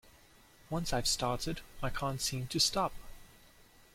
Once I've started, I can't seem to stop.